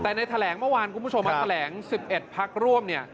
แต่ในแถลงเมื่อวานคุณผู้ชมมาแถลง๑๑พักร่วมเนี่ย